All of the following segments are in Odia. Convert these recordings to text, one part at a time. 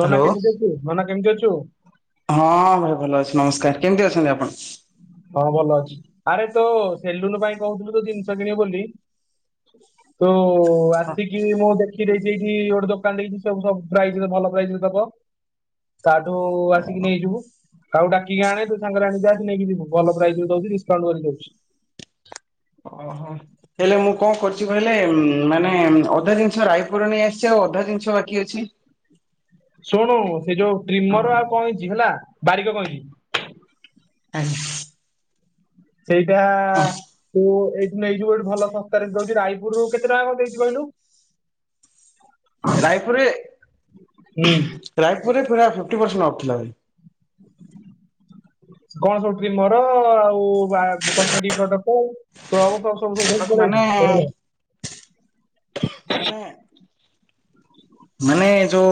ନନା କେମିତି ଅଛୁ? ନନା କେମିତି ଅଛୁ? ହଁ ଭାଇ ଭଲ ଅଛି ନମସ୍କାର। କେମିତି ଅଛନ୍ତି ଆପଣ? ହଁ ଭଲ ଅଛି। ଆରେ ତୋ ସେଲୁନ ପାଇଁ କହୁଥିଲୁ ଯୋଉ ଜିନିଷ କିଣିବୁ ବୋଲି ତୋ ଆସିକି ମୁଁ ଦେ ଦେଖି ଦେଇଚି ଏଇଠି ଗୋଟେ ଦୋକାନ ଦେଇଛି, ସେ ସବୁ ପ୍ରାଇସ୍ ରେ ଭଲ ପ୍ରାଇସ୍ ରେ ଦବ। ତାଠୁ ଆସିକି ନେଇଯିବୁ, କାହାକୁ ଡାକିକି ଆଣେ ତୁ ସାଙ୍ଗରେ ଆଣିକି ଆସେ ନେଇକି ଯିବୁ। ଭଲ ପ୍ରାଇସ୍ ରେ ଦଉଚି ଡିସକାଉଣ୍ଟ କରି ଦଉଛି। ଓହୋ। ହେଲେ ମୁଁ କଣ କରଚି କହିଲେ ମାନେ ଅଧା ଜିନିଷ ରାୟପୁର ନେଇ ଆସିଚି, ଆଉ ଅଧା ଜିନିଷ ବାକି ଅଛି। ଶୁଣୁ ସେ ଯୋଉ ଟ୍ରିମର ଆଉ କଇଁଚି ହେଲା ବାରିକ କଇଁଚି [inaudible] ସେଇଟା ହଁ ତୁ ଏଇଠୁ ନେଇଯିବୁ ଏଇଠୁ ଭଲ ଶସ୍ତାରେ ଦଉଚି, ରାୟପୁରରୁ କେତେ ଟଙ୍କା କଣ ଦେଇଚୁ କହିଲୁ? ହୁଁ ରାୟପୁରରେ-ରାୟପୁରରେ ପୁରା ଫିଫ୍ଟି ପରସେଣ୍ଟ ଆଫ୍ ଥିଲା ଭାଇ। କଣ ସବୁ ଟ୍ରିମର ଆଉ ବା କସ୍ମେଟିକ୍ ପ୍ରଡକ୍ଟ। [unintelligible] ସବୁ ସବୁ ଧରିକି ପାଲେଇ ମାନେ ଆଇଚୁ [unintelligible] ମାନେ ମାନେ ଯୋଉ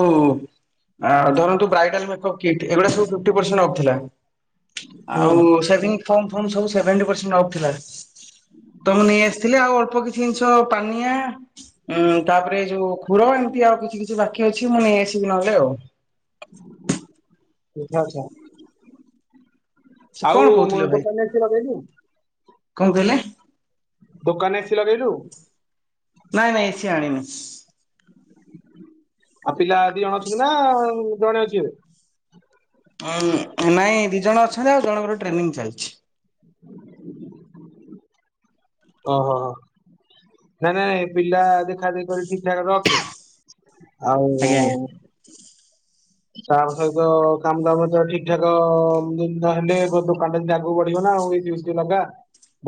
ଆ ଧରନ୍ତୁ ବ୍ରାଇଡାଲ୍ ମେକ୍ଅପ୍ କିଟ୍ ଏଗୁଡା ସବୁ ଫିଫ୍ଟି ପରସେଣ୍ଟ ଅଫ୍ ଥିଲା। ହୁଁ ଆଉ ସେଭିଙ୍ଗ ଫୋମ୍-ଫୋମ୍ ସବୁ ସିଭେଣ୍ଟି ପରସେଣ୍ଟ ଅଫ୍ ଥିଲା। ତ ମୁଁ ନେଇ ଆସିଥିଲି ଆଉ ଅଳ୍ପ କିଛି ଜିନିଷ ପାନିଆ, ଉଁ ତାପରେ ଯୋଉ ଖୁର ଏ ଏମ୍ତି ଆଉ କିଛି-କିଛି ବାକି ଅଛି ମୁଁ ନେଇଆସିବି ନହେଲେ ଆଉ। [unintelligible] ସିଏ ଆଉ କଣ କହୁଥିଲେ ଭାଇ, ଦୋକାନରେ ଲଗେଇଲୁ କଣ କହିଲେ? ଦୋକାନ ଏସି ଲଗେଇଲୁ? ନାଇଁ-ନାଇଁ ଏସି ଆଣିନି। ଆଉ ପିଲା ଦି ଜଣ ଅଛନ୍ତି ନା ଜଣେ ଅଛି ଏବେ? ହଁ ନାଇଁ ଦି ଜଣ ଅଛନ୍ତି, ଆଉ ଜଣଙ୍କର ଟ୍ରେନିଂ ଚାଲିଛି। ହ [inaudible] ଓହୋହୋ ନାଇଁ-ନାଇଁ-ନାଇଁ ପିଲା ଦେଖାଦେଖି କରି ଠିକ୍ ଠାକ୍ ରଖେ। ଆଜ୍ଞା ଆଜ୍ଞା ଆଉ [unintelligible] ସହିତ କାମ ଦାମ ତର ଠିକ୍ ଠାକ ନହେଲେ ଦୋକାନଟା ଯେମିତି ଆଗକୁ ବଢିବ ନା ଆଉ ଏଇ [unintelligible] ଲଗା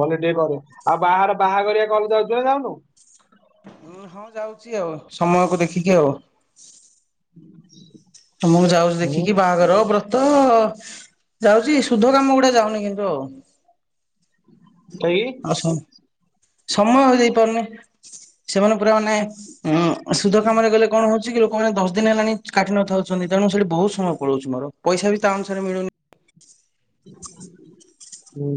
ଭଲ କି ଟିକେ କର, ଆଉ ବାହାର ବାହାଘରିଆ କଲ୍ ଯାଉଚୁ ନା ଯାଉନୁ? ହଁ ଯାଉଚି ଆଉ ସମୟକୁ ଦେଖିକି ଆଉ। [inaudible] ମୁଁ ଯାଉଚି ହୁଁ ଦେଖିକି ବାହାଘର ବ୍ର ତ ଯାଉଚି ସୁଧ କାମ ଗୁଡା ଯାଉନି କିନ୍ତୁ ଆଉ। [unintelligible] ଅସନ୍ ସମୟ ଦେଇପାରୁନି, ସେମାନେ ପୁରା ମାନେ ଉଁ ସୁଧ କାମରେ ଗଲେ କଣ ହଉଚି କି ଲୋକମାନେ ଦଶ ଦିନ ହେଲାଣି କାଟି ନଥାଉଛନ୍ତି, ତେଣୁ ସେଠି ବହୁତ୍ ସମୟ ପଳଉଚି ମୋର। ପଇସା ବି ତା ଅନୁସାରେ ମିଳୁନି। ହୁଁ।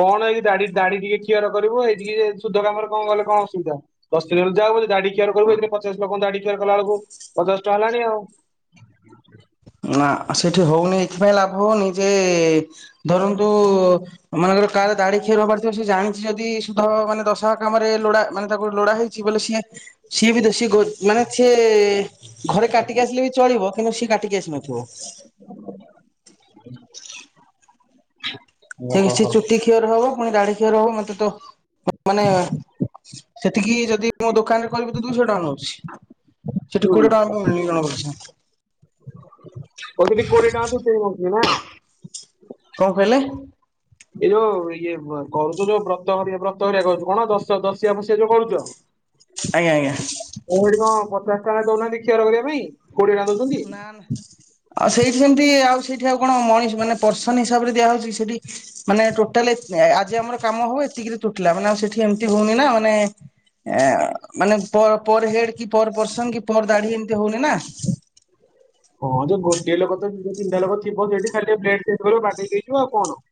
କଣ କି ଏଇ ଦାଢି ଦାଢି ଟିକେ ଖୀଅର କରିବୁ, ହେ଼ଇଠିକି ହେ ସୁଦ୍ଧ କାମରେ କଣ ଗଲେ କଣ ଅସୁବିଧା। ଦଶ୍ ଦିନି ଗଲେ ଯାଉ ପଛେ ଦାଢି ଖୀଅର କରିବୁ [unintelligible] ପଚାଶ ଲୋକଙ୍କ ଦାଢି ଖୀଅର କଲା ବେଳକୁ ପଚାଶ ଟଙ୍କା ହେଲାଣି ଆଉ। ନା ସେଠି ହଉନି ଏଥିପାଇଁ ଲାଭ ହଉନି ଯେ, ଧରନ୍ତୁ ମନେକର କାର ଦାଢି ଖୀଅର ହବାର ଥିବ ସେ ଜାଣିଚି ଯଦି ସୁଦ୍ଧ ମାନେ ଦଶାହ କାମରେ ଲୋଡା ମାନେ ତାକୁ ଲୋଡା ହେଇ ଚି ବୋଲି ସିଏ ସିଏ ବି ତ ସିଏ ଗୋ ମାନେ ସିଏ ଘରେ କାଟିକି ଆସିଲେ ବି ଚଳିବ କିନ୍ତୁ ସିଏ କାଟିକି ଆସିବନି। [unintelligible] [inaudible] ଓହୋ ସେ-ସେ ହୋ। ଚୁଟି ଖୀଅର ହବ ପୁଣି ଦାଢି ଖୀଅର ହବ ମତେ ତ ମାନେ ସେତିକି ଯଦି ମୋ ଦୋକାନରେ କରିବି ତ ଦୁଇଶହ ଟଙ୍କା ନଉଛି। ସେଠି ହୁଁ କୋଡିଏ ଟଙ୍କା [unintelligible] ଜଣଙ୍କ [unintelligible] [unintelligible] କୋଡିଏ ଟଙ୍କା [unintelligible] ନା। କଣ କହିଲେ? ଏଇ ଯୋଉ ଇଏ କରୁଛୁ ଯୋଉ ବ୍ରତ ହେରିକା ବ୍ରତ ହେରିକା କରୁଛୁ କଣ ଦଶ ଦଶିଆ ଫସିଆ ଯୋଉ କରୁଛ? [inaudible] ଆଜ୍ଞା ଆଜ୍ଞା। ଓ ହେଠି କଣ ପଚାଶ ଟଙ୍କା ଦଉନାହାନ୍ତି ଖିଅର କରିବା ପାଇଁ। କୋଡିଏ ଟଙ୍କା ଦଉଛନ୍ତି। ନା ନା। ଆଉ ସେଇଠି ସେମିତି ଆଉ ସେଇଠି ଆଉ କଣ ମଣିଷ ମାନେ ପର୍ସନ ହିସାବରେ ଦିଆ ହଉଛି ଜି ସେଠି। ମାନେ ଟୋଟାଲେ ଏ ଆଜି ଆମର କାମ ହବ ଏତିକିରି ତୁଟିଲା ମାନେ ଆଉ ସେଠି ଏମିତି ହଉନି ନା ମାନେ ଏ ମାନେ ପର୍ ପର୍ ହେଡ କି ପର୍ ପର୍ସନ କି ପର୍ ଦାଢି ଏମିତି ହଉନି ନା। କଣ ଯେ ଗୋଟେ ଲୋକ ତ ଦି ତିନିଟା ଲୋକ ଥିବ ସେଠି ଖାଲି ବ୍ଲେଡଟେ ଧରିବ ବାଡେଇ ଦେଇଯିବ ଆଉ କଣ?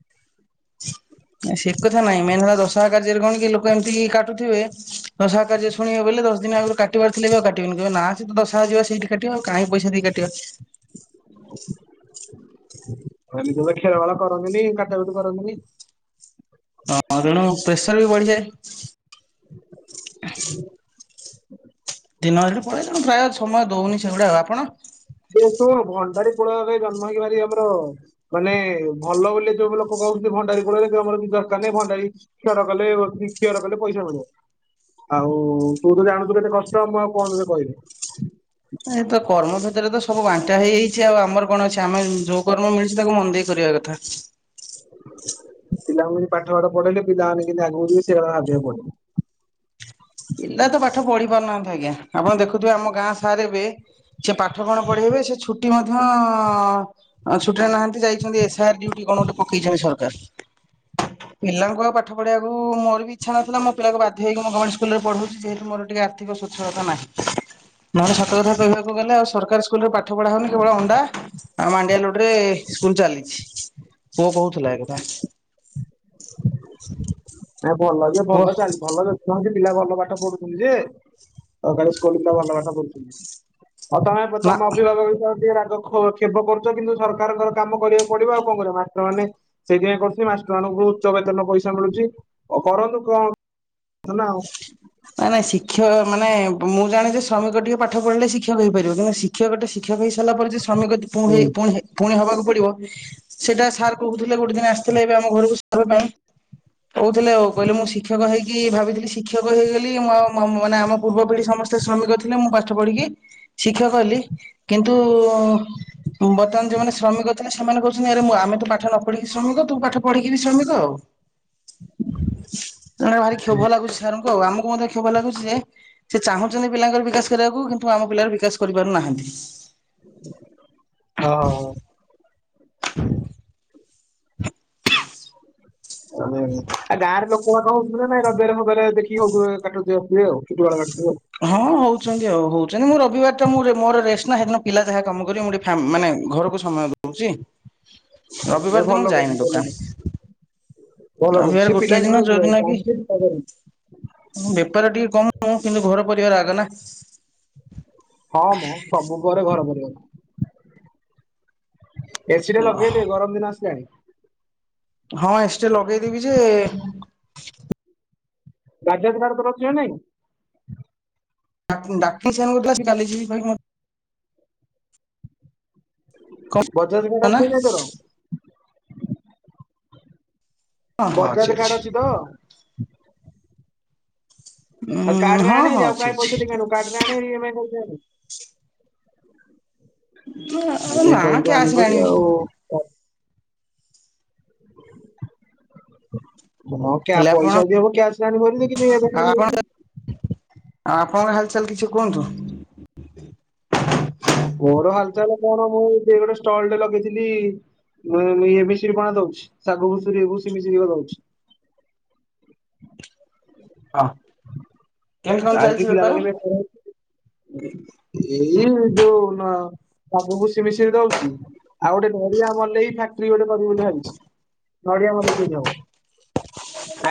ନାଁ ସେ କଥା ନାଇଁ ମେନ୍ ହେଲା ଦଶାହ କାର୍ଯ୍ୟରେ କଣ କି ଲୋକ ଏମିତି କାଟୁଥିବେ। ଦଶାହ କାର୍ଯ୍ୟ ଶୁଣିବେ ବଲେ ଦଶ ଦିନ ଆଗରୁ କାଟିବାର ଥିଲେ ବି ଆଉ କାଟିବେନି କହିବେ ନାଁ ସେ ତ ଦଶାହ ଯିବା ସେଇଠି କାଟିବା ଆଉ କାଇଁ ପଇସା ଦେଇ କାଟିବା। ଏମିତି ବି ଖିଅର ବାର କରନ୍ତିନି କାଟା କୁଟି କରନ୍ତିନି। ହଁ ତେଣୁ ପ୍ରେସର ବି ବଢିଯାଏ। ଦିନ ହେଠି ପୁଣି ତେଣୁ ପ୍ରାୟ ସମୟ ଦଉନି ସେଇଗୁଡା ଆଉ ଆପଣ। ଯେହେତୁ ଭଣ୍ଡାରୀ କୂଳରେ ଜନ୍ମ ହେଇକିି ଭାରି ଆମର ମାନେ ଭଲ ବୋଲି ଯୋଉ ଲୋକ କହୁଛନ୍ତି ଭଣ୍ଡାରୀ କୁଳରେ ଆମର କିଛି ଦରକାର ନାହିଁ ଭଣ୍ଡାରୀ ଖିଅର କଲେ ଖିଅର କଲେ ପଇସା ମିଳିବ। ଆଉ ତୁ ତ ଜାଣୁଛୁ କେତେ କଷ୍ଟ ମୁଁ ଆଉ କଣ ତତେ କହିବି? ଏ ତ କର୍ମ ଭିତରେ ତ ସବୁ ବାଣ୍ଟା ହେଇଯାଇଛି ଆଉ ଆମର କଣ ଅଛି ଆମେ ଯୋଉ କର୍ମ ମିଳିଛି ତାକୁ ମନ ଦେଇ କରିବା କଥା। ପିଲାମାନଙ୍କୁ ପାଠ ପାଠ ପଢେଇଲେ ପିଲାମାନେେ କେମିତି ଆଗକୁ ଯିବେ ସେଇଆ ଭାବିବାକୁ ପଡିବ। ପିଲା ତ ପାଠ ପଢି ପାରୁନାହାନ୍ତି ଆଜ୍ଞା ଆପଣ ଦେଖୁଥିବେ ଆମ ଗାଁ ସାର୍ ଏବେ ସେ ପାଠ କଣ ପଢେଇବେ ସେ ଛୁଟି ମଧ୍ୟ ଆଁ ଛୁଟିରେ ନାହାନ୍ତି ଯାଇଛନ୍ତି ଏସ୍ ଆର୍ ଡିଉଟି କଣ ଗୋଟେ ପକେଇଛନ୍ତି ସରକାର। ପିଲାଙ୍କୁ ଆଉ ପାଠ ପଢିବାକୁ ମୋର ବି ଇଚ୍ଛା ନଥିଲା ମୋ ପିଲାକୁ ବାଧ୍ୟ ହେକି ମୁଁ ଗମେଣ୍ଟ‌ ସ୍କୁଲରେ ପଢାଉଛି ଯେହେତୁ ମୋର ଟିକେ ଆର୍ଥିକ ସ୍ଵଛଳତା ନାହିଁ। ନା ସତ କଥା କହିବାକୁ ଗଲେ ଆଉ ସରକାରୀ ସ୍କୁଲରେ ପାଠ ପଢ଼ା ହେଉନି କେବଳ ଅଣ୍ଡା। ଆ ମାଣ୍ଡିଆ ଲଡୁରେ ସ୍କୁଲ ଚାଲିଛି ବୋଉ କହୁଥିଲା ଏକଥା ସ ଭଲ ଯେ ଭଲ ଚାଲି ଭଲ ଚାଲି କଣନ୍ତି ପିଲା ଭଲ ପାଠ ପଢୁଛନ୍ତି ଯେ ଆଉ କାଲି ସ୍କୁଲ ପିଲା ଭଲ ପାଠ ପଢୁଛନ୍ତି? ହଉ ତମେ ନା ତମ ଅଭିଭାବକ ଭିତରେ ଟିକେ ରାଗ ଖୋଜ୍ କ୍ଷପ କରୁଛ କିନ୍ତୁ ସରକାରଙ୍କର କାମ କରିବାକୁ ପଡିବ ଆଉ କଣ କରିବା ମାତ୍ର ମାନେ ସେଇଥିପାଇଁ କହୁଥିଲି ମାଷ୍ଟର ମାନଙ୍କୁ ଉଚ୍ଚ ବେତନ ପଇସା ମିଳୁଛି। ଓଉ କରନ୍ତୁ କଣ ନା? ନାଇଁ ନାଇଁ ଶିକ୍ଷକ ମାନେ ମୁଁ ଜାଣଛି ଯେ ଶ୍ରମିକ ଟିକେ ପାଠ ପଢ଼ିଲେ ଶିକ୍ଷକ ହେଇପାରିବ କିନ୍ତ ଶିକ୍ଷ ଶିକ୍ଷକଟେ ଶିକ୍ଷକ ହେଇ ସାରିଲା ପରେ ଯ ଶ୍ରମିକ ହୁଁ ପୁଣି ହେବାକୁ ପଡିବ ସେଇଟା ସାର୍ କହୁଥିଲେ ଗୋଟେ ଦିନ ଆସିଥିଲେ ଏବେ ଆମ ଘରକୁ ସିବା ପାଇଁ କହୁଥିଲେ ଆଉ କହିଲେ ମୁଁ ଶିକ୍ଷକ ହେଇକି କି ଭାବଥିଲି ଶିକ୍ଷକ ହେଇଗଲି ମୋ ମାନେ ଆମ ପୂର୍ବ ପିଢି ସମସ୍ତେ ଶ୍ରମିକ ଥିଲେ ମୁଁ ପାଠ ପଢିକି ଶିକ୍ଷକ ହେଲି କିନ୍ତୁ ବର୍ତ୍ତମାନ ଯୋଉମାନେ ଶ୍ରମିକ ସେମାନେ କହୁଛନ୍ତି ଆରେ ମୁଁ ଆମେ ତୁ ପାଠ ନ ପଢିକି ଶ୍ରମିକ ତୁ ପାଠ ପଢିକି ଶ୍ରମିକ ଆଉ ତଣେ ଭାରି ହୁଁ। କ୍ଷୋଭ ଲାଗୁଛି ସାରଙ୍କୁ ଆଉ ଆମକୁ ମଧ୍ୟ କ୍ଷୋଭ ଲାଗୁଛି ଯେ ସେ ଚାହୁଁଛନ୍ତି ପିଲାଙ୍କର ବିକାଶ କରିବାକୁ କିନ୍ତୁ ଆମ ପିଲାର ବିକାଶ କରିପାରୁନାହାନ୍ତି ହଁ ହଉ। ହ ଓ ଆ ଆାର ଲ କ ନାଇ ରଜରେ [inaudible] ହଁ ହୋଉଚନ୍ତି ଆଉ ହୋଉଚନ୍ତି ମୁଁ ରବିବାର ଟା ମୁଁ ରେ ମୋରୋ ରେଷ୍ଟ ନା ହେଦୀନ ପିଲା ଯାହା କାମ କରିବେ ମୁଁ ଟିକେ ଫା ମାନେ ଘରୁକୁ ସମୟ ଦୋଉଚି ନାଇଁ ରବିବାର ଦିନ ଭଲ ମୁଁ ଯାଏନି କରୁଚୁ ଭଲ କରୁଚୁ ଦୋକାନ। ଭଲ କରୁଚୁ ସେ ରବିବାରେ ପିଲା ଗୋଟିଏ ଦିନ ଯୋଉ ଦିନ ଯେତେବେଳେ କି ବେପାର ଟିକେ କମ [unintelligible] କିନ୍ତୁ ଘର ପରିବାର ଆଗ ନା। ହଁ ମ ସବୁ ଘରେ ଘର ପରିବା। ଏସି ଟେ ଲଗେଇଦେ ଗରମ ଦିନ ଆସିଲାଣି। ହଁ ଏ ସି ଲଗେଇଦେବି ଯେ ବଜାଜ୍ କାର୍ଡ ତୋର ଅଛି ନା ନାହିଁ। [unintelligible] କାଲି ଯିବି [unintelligible] କଣ ବଜାଜ୍ କାର୍ଡ ଅଛି ନା ତୋରୋ। ବଜାଜ୍ କାର୍ଡ ଅଛି ତ। ଆଉ ଉଁ କାର୍ଡରେ ହଁ ଆଣେ ହଁ ଭାରି ଆଉ ଅଛି କାଇଁ ଅଛି। ପଇସା ଦେଇକି ଆଣିବୁ କାର୍ଡରେ [unintelligible] ଇ [unintelligible] ଏମ ଆଇ ନା କରିକି ତ ଆଣିବୁ କ୍ୟାସ ରେ ହାରି ଆଉ। ଆଣିବି। [unintelligible] କ୍ୟା ପଇସା [unintelligible] କ୍ୟାସରେ ଆଣିବ ଭାରି ନେ ଆଉ ଆପଣ ଆଉ ଆପଣଙ୍କ ହାଲଚାଲ କିଛି କୁହନ୍ତୁ। ମୋର ହାଲଚାଲ କଣ ମୁଁ [unintelligible] ଗୋଟେ ଷ୍ଟଲ ଟେ ଲଗେଇଥିଲି। [unintelligible] ପଣା ଦୋଉଛି ସାଗୁ [unintelligible] ଭୁଷି ମିଶିରି ର ଦୋଉଛି। ହଁ କେମିତି କଣ ଯାଇକି ଚାଲଛି ପିଲା ବେପାର। ଲଗେଇ ହଉଛି। ଏଇ ଯୋଉ ନ ସାଗୁ ଭୁଷି ମିଶିରି ଦୋଉଚି। ଆଉ ଗୋଟେ ନଡିଆ ମଲେଇ ଫାକ୍ଟ୍ରି ଗୋଟେ କରିବି ବୋଲି ଭାବିଛି। ନଡିଆ ମଲେଇକି ସେଇଠି ହବ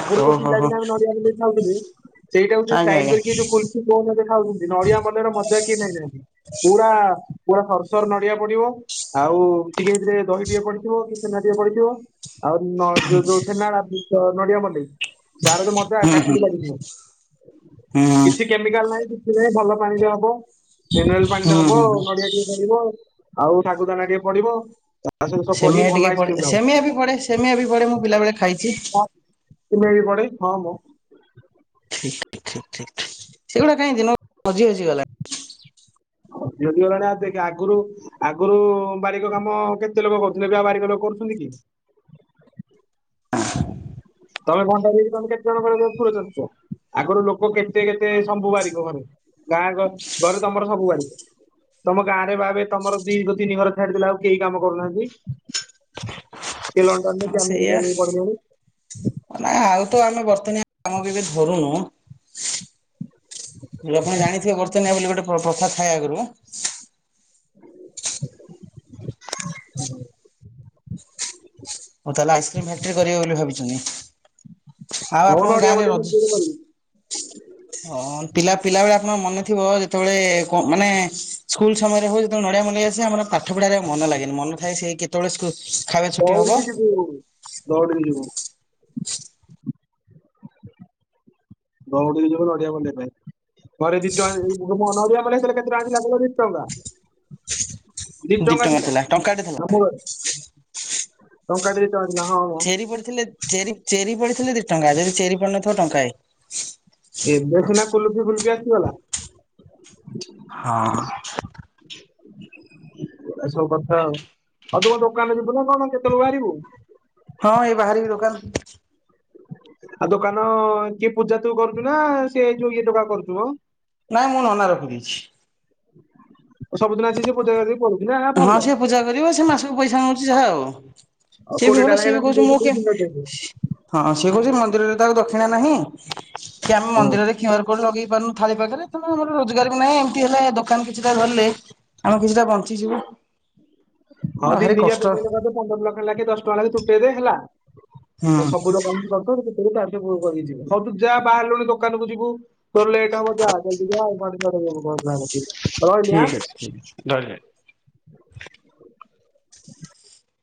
ଆଗୁରୁ ଯୋଉ ଓହୋ ହୋ ପିଲାଦିନେ ଆମେ ନଡିଆ ମଲେଇ ଖାଉଥିଲି। ସେଇଟା କୁ ଆଜ୍ଞା ଆଜ୍ଞା [unintelligible] ଏଇ ଯୋଉ କୁଲ୍ଫି କୋନ [unintelligible] ନଡିଆ ମଲେଇର ମଜା କିଏ ଜାଣିନାହାନ୍ତି। ପୁରା ପୁରା [unintelligible] ନଡିଆ ପଡିବ। ଆଉ ଟିକେ ହେଥିରେ ଦହି ଟିକେ ପଡିଥିବ କି ଛେନା ଟିକେ ପଡିଥିବ। ଆଉ ନ ଯୋଉ ଯୋଉ ଛେନା [unintelligible] ନଡିଆ ମଲେଇ। ସାର୍ ତ ମତେ ହୁଁ ହୁଁ [unintelligible] ଲାଗିଯିବ। ହୁଁ କେମିକାଲ ନାହିଁ କିଛି ନାହିଁ ଭଲ ପାଣିରେ ହବ। [unintelligible] ପାଣିରେ ହୁଁ ହବ ହୁଁ ହୁଁ। ନଡିଆ ଟିକେ ପଡ଼ିବ ଆଉ ଶାଗୁ ଦାନା ଟିକେ ପଡିବ। ତା ସହିତ ସବୁ ସେମିଆ ପଡିକି ଭଲ ଟିକେ ପଢେ ଆଇସ୍କ୍ରିମଟା ହବ ସେମିଆ ବି ପଢେ ସେମିଆ ବି ପଢେ ମୁଁ ପିଲା ବଳେ ଖାଇଛି। ସେମିଆ ବି ପଢେ ହଁ ମ। [unintelligible] ସେଗୁଡା କାଇଁ ଦିନକୁ ହଜି ହଜି ଗଲାଣି। ହଜି ହଜି ଗଲାଣି ଆ ଦେଖେ ଆଗୁରୁ ଆଗୁରୁ ବାରିକ କାମ କେତେ ଲୋକୋ କରୁଥିଲେ ଆବେ ଆଉ ବାରିକ ଲୋକ କରୁଛନ୍ତି କି। ତମେ ଭଣ୍ଡାରୀ ହେଇକି ତମେ କେତେ [unintelligible] ଆଗୁରୁ ଲୋକୋ କେତେ କେତେ ସବୁ ବାରିକ ଘରେ ଗାଁ ଗ ଘରେ ତମର ସବୁ ବାରିକ। ତମ ଗାଁ ରେ [unintelligible] ତମର ଦି ଘ ତିନି ଘର ଛାଡିଦେଲେ ଆଉ କେହି କାମ କରୁନାହାନ୍ତି। [inaudible] ଲଣ୍ଡନରେ ହଁ କିଏ ସେୟା। ଆମେରିକାରେ ପଢିଲେଣି [unintelligible] ଆଉ ତ ଆମେ [unintelligible] କାମ ବି ଏବେ ଧରୁନୁ। ହେଲେ ଆପଣ ଜାଣିଥିବେ [unintelligible] ବୋଲି ଗୋଟେ ପ୍ର ପ୍ରଥା ଥାଏ ଆଗୁରୁ ଓ ତାହେଲେ ଆଇସ୍କ୍ରିମ ଫାକ୍ଟରି କରିବେ ବୋଲି ଭାବିଛନ୍ତି ଆଉ ହଁ ଆପଣଙ୍କ ନଡିଆ ଗାଁରେ ମଣ୍ଡେଇ ରଜ ହଁ ପିଲା ପିଲାବେଳେ ଆପଣଙ୍କ ମନେ ଥିବ ଯେତୋବୋଳେ କଁ ମାନେ ସ୍କୁଲ ସମୟରେ ହୋଉ ନଡିଆ ମଲେଇ ଆସେ ଆମର ପାଠ ପଢାରେ ଆଉ ମନ ଲାଗେନି ମନ ଥାଏ ସେ କେତୋବୋଳେ ସ୍କୁ ଖାଇବା ଛୁଟି ହବ ଦୌଡିକି ଯିବୁ ଦୌଡିକି ଯିବୁ। ଦୌଡିକି ଯିବୁ ନଡିଆ ମଲେଇ ପାଇଁ। ଘରେ ଦି ଟଙ୍କା [unintelligible] ନଡିଆ ମଲେଇ [unintelligible] କେତେ ଟଙ୍କା ଥିଲା କହିଲ ଦି ଟଙ୍କା। ଦି ଟଙ୍କା ଥିଲା [unintelligible] ଟଙ୍କାଟେ ଦି ଟଙ୍କା ଥିଲା ହଁ। ମ ଚେରି ପଡିଥିଲେ ଚେରି ଚେରି ପଡିଥିଲେ ଦି ଟଙ୍କା ଯଦି ଚେରି ପଡିନଥିବ ଟଙ୍କାଏ। ଏବେ ସିନା କୁଲଫି ଫୁଲଫି ଆସିଗଲା। ହଁ। ଏସବୁ କଥା ଆଉ ଆଉ ତୁମ ଦୋକାନରେ ଯିବୁ ନା କଣ କେତେବେଳୁ ବାହାରିବୁ? ହଁ ଏଇ ବାହାରିବି ଦୋକନ୍। ଆଉ ଦୋକାନ କିଏ ପୂଜା ତୁ କରୁଛୁ ନା ସେ ଯୋଉ ଇଏ ଟୋକା କରୁଛୁ ମ? ନାଇଁ ମୁଁ ନନା ରଖିଦେଇଛି। ଓ ସବୁଦିନ ଆସିକି ସିଏ ପୂଜା କରି ଦେଇକି ପଳଉ ହଁ ସେ ପୂଜା କରିବ ସେ ମାସକୁ ପଇସା ନୋଉଛି ଯାହା ଆଉ। ଆଉ ସିଏ ବି କୋଡିଏ ଟଙ୍କା ଭଲ ସିଏ ଲେଖା ବି ଯେମିତି କହୁଛି ଦଉଛି ମୁଁ କିଏ। ତିନି ହଜାର ଦେଇଦେ। ହଁ ସେ କହୁଛି ମନ୍ଦିରରେ ତ ଆଉ ଦକ୍ଷିଣା ନାହିଁ କି ଆମେ ହଁ ମନ୍ଦିରରେ କ୍ୟୁ ଆର କୋଡ ଲଗେଇ ପାରୁନୁ ଥାଳି ପାଖରେ ତେଣୁ ଆମର ରୋଜଗାର ବି ନାହିଁ ଏମିତି ହେଲେ ଦୋକାନ କିଛିଟା ଗଲେ। ଆମେ କିଛିଟା ବଞ୍ଚିଯିବୁ। ହଁ ଭାରି ଦିନିକିଆ [inaudible] କଷ୍ଟ ପନ୍ଦର ଟଙ୍କା ଲାଗେ ଦଶ ଟଙ୍କା ଲେଖେ ତୁଟେଇ ଦେ ହେଲା। ହୁଁ। ତ ସବୁ ଦୋକାନ କରି କରି କେତେବେଳେ [unintelligible] ଯିବ ହଉ ତୁ ଯାହା ବାହାରିଲୁଣି ଦୋକାନକୁୁ ଯିବୁ। ତୋର ଲେଟ୍ ହବ ଯା ଜଲ୍ଦି [unintelligible] ଠିକ ଅଛି ରହିଲି ଆଁ ଠିକ ଅଛି ରହିଲି ଭାଇ।